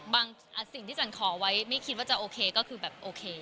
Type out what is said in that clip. สิ่งที่ฉันขอไว้ไม่คิดว่าจะโอเคก็คือแบบโอเค